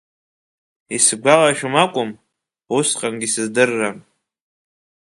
Исгәалашәом акәым, усҟангьы исыздыррам.